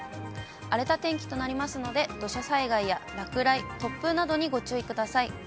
荒れた天気となりますので、土砂災害や落雷、突風などにご注意ください。